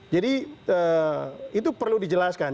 jadi itu perlu dijelaskan